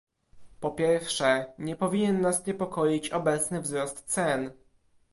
Po pierwsze, nie powinien nas niepokoić obecny wzrost cen